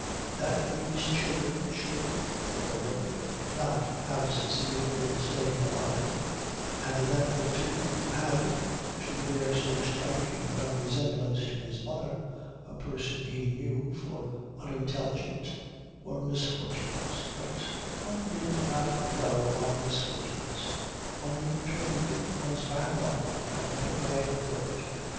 That these children should, four of them, not have succeeded in staying alive, and that the two who had should bear so striking a resemblance to his mother, a person he knew for unintelligent, were misfortunes, but one did not dwell on misfortunes; one turned one's back on them and went away and worked.